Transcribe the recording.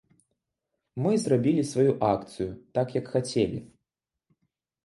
Мы зрабілі сваю акцыю, так як хацелі.